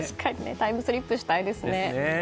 タイムスリップしたいですね。